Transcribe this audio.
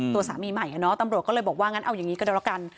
ตัวสามีใหม่ตำรวจก็เลยบอกว่างั้นเอาอย่างนี้ก็ได้แล้วกัน